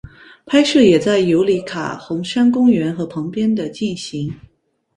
拍摄也在尤里卡红杉公园和旁边的进行。